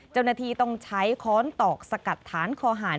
เจ้าหน้าที่ต้องใช้ค้อนตอกสกัดฐานคอหาร